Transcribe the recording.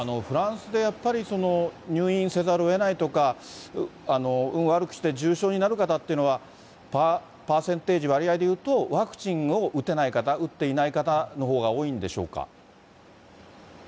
フランスでやっぱり入院せざるをえないとか、運悪くして重症になる方っていうのは、パーセンテージ、割合でいうと、ワクチンを打てない方、打っていない方のほうが多いんでしょうか？